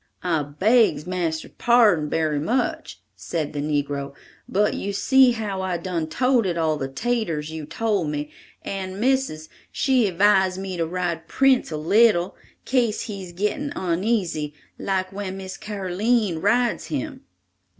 "I begs marster's pardon berry much," said the negro, "but you see how I done toted all the taters you told me, and missis she 'vise me to ride Prince a leetle, 'case he's gettin' oneasy like when Miss Carline rides him."